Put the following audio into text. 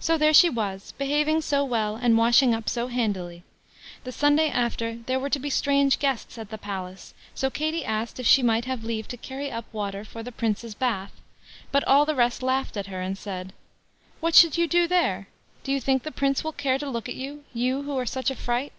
So there she was, behaving so well, and washing up so handily. The Sunday after there were to be strange guests at the palace, so Katie asked if she might have leave to carry up water for the Prince's bath; but all the rest laughed at her, and said: "What should you do there? Do you think the Prince will care to look at you, you who are such a fright!"